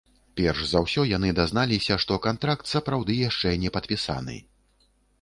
Перш за ўсё яны дазналіся, што кантракт сапраўды яшчэ не падпісаны.